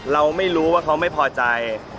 เราไม่รู้ว่าเขาไม่พอใจ